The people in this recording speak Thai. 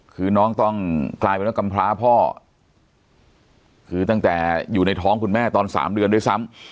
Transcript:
คือน้องต้องกลายเป็นว่ากำพร้าพ่อคือตั้งแต่อยู่ในท้องคุณแม่ตอน๓เดือนด้วยซ้ำ